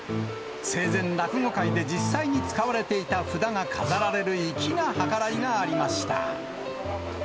生前、落語会で実際に使われていた札が飾られる粋な計らいがありました。